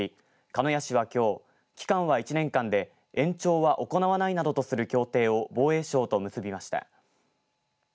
鹿屋市はきょう期間は１年間で延長は行わないなどとする協定を防衛省と結びました。